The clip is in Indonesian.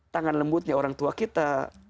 tangan lembutnya orang tua kita